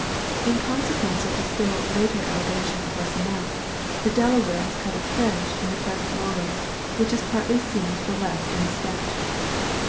In consequence of the still later elevation of less amount, the Delaware has cut a trench in the S, present lowland, which is partly seen ;. "V/" Jb^^. to the left in the sketch.